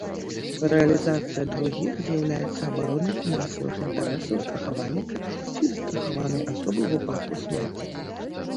Рэалізацыя другіх з'яўляецца абаронай фінансавых інтарэсаў страхавальніка ці застрахаванай асобы ў выпадку смерці.